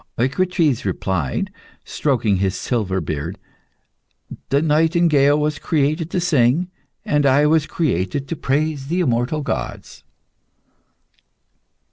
Eucrites replied, stroking his silver beard "The nightingale was created to sing, and I was created to praise the immortal gods."